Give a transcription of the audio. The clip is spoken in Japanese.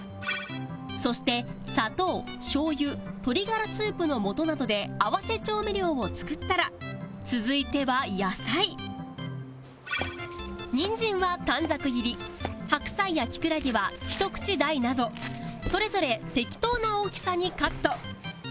そして砂糖しょう油鶏ガラスープの素などで合わせ調味料を作ったら続いては野菜人参は短冊切り白菜やキクラゲはひと口大などそれぞれ適当な大きさにカット